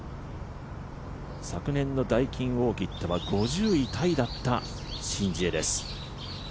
昨年のダイキンオーキッドは５０位タイだったシン・ジエです。